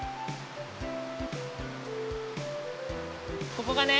ここがね